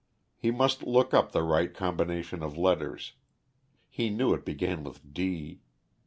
He must look up the right combination of letters; he knew it began with "d."